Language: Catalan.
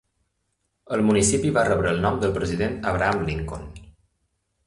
El municipi va rebre el nom del president Abraham Lincoln.